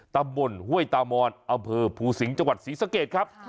ตำบลห้วยตามอนอำเภอภูสิงห์จังหวัดศรีสะเกดครับ